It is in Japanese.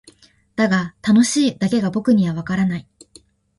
だが「楽しい」だけが僕にはわからない。